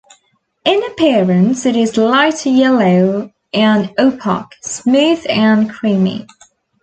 In appearance, it is light yellow and opaque, smooth and creamy.